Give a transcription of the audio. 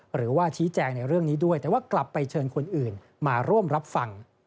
หรือว่าชี้แจงในเรื่องนี้ด้วยแต่ว่ากลับไปเชิญคนอื่นมาร่วมรับฟัง